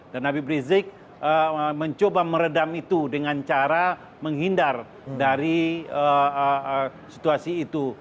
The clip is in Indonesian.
dan habib rizik mencoba meredam itu dengan cara menghindar dari situasi itu